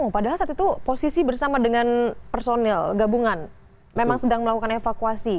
padahal saat itu posisi bersama dengan personil gabungan memang sedang melakukan evakuasi